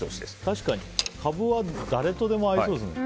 確かにカブは誰とでも合いそうですね。